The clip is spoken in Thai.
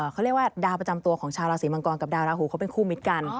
เขาเรียกว่าดาวประจำตัวของชาวราศีมังกรกับดาวราหูเขาเป็นคู่มิตรกัน